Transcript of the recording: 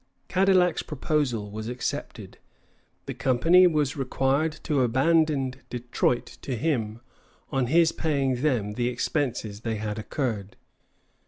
Cadillac's proposal was accepted. The company was required to abandon Detroit to him on his paying them the expenses they had incurred.